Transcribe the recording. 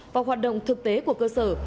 và hoạt động thực tế của cơ sở